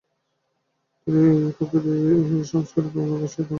তিনি প্রকৃতি সম্পর্কে তার পরিসাংখ্যিক মনোভাবকে শাণিত করেন।